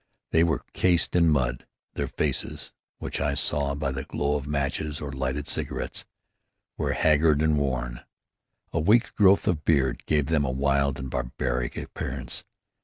They were cased in mud. Their faces, which I saw by the glow of matches or lighted cigarettes, were haggard and worn. A week's growth of beard gave them a wild and barbaric appearance.